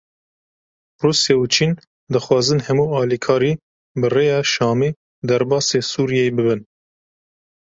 Rûsya û Çîn dixwazin hemû alîkarî bi rêya Şamê derbasî Sûriyeyê bibin.